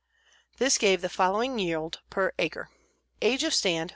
This gave the following yield per acre: Age of Stand.